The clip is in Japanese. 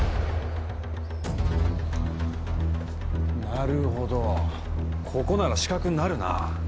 なるほどここなら死角になるな。